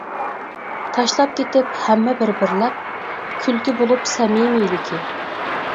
تاشلاپ كېتىپ ھەممە بىر-بىرلەپ، كۈلكە بولۇپ سەمىمىيلىكى.